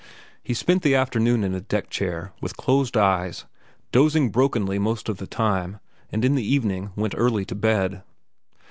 He spent the afternoon in a deck chair, with closed eyes, dozing brokenly most of the time, and in the evening went early to bed.